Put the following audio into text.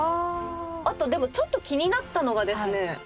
あとでもちょっと気になったのがですね